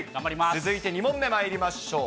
続いて２問目まいりましょう。